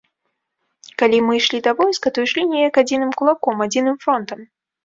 Калі мы ішлі да войска, то ішлі неяк адзіным кулаком, адзіным фронтам.